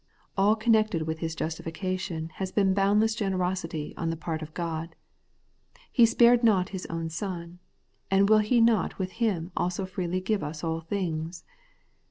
All connected with his justification has been bound less generosity on the part of God, He spared not His own Son, and will He not with Him also freely give us all things